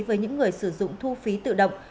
với những người sử dụng thu phí tự động